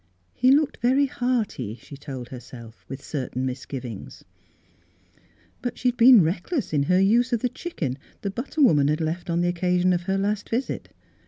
He looked very hearty, she told herself, with certain misgivings. But she had been reckless in her use of the chicken the butter woman had left on the occasion of her last visit.